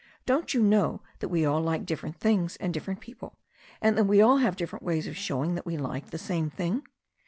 Don't you know that we all like different things and different people, and that we all have different ways of showing that we like the same thing?